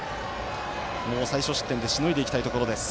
最少失点でしのいでいきたいところ。